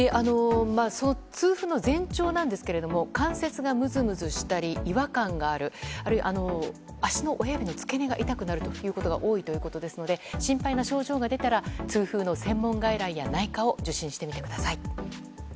痛風の前兆ですが関節がムズムズしたり違和感があるあるいは、足の親指のつけ根が痛くなることが多いということですので心配な症状が出たら痛風の専門外来や内科を受診してみてください。